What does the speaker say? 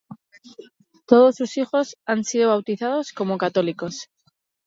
Todos sus hijos han sido bautizados como católicos.